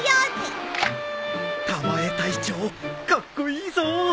たまえ隊長カッコイイぞ